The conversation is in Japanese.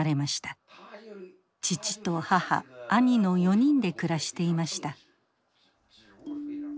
父と母兄の４人で暮らしていました。